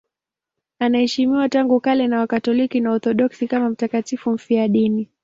Anaheshimiwa tangu kale na Wakatoliki na Waorthodoksi kama mtakatifu mfiadini.